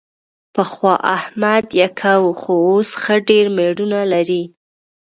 پخوا احمد یکه و، خو اوس ښه ډېر مېړونه لري.